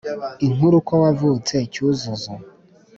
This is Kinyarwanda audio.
inkuru ko wavutse cyuzuzo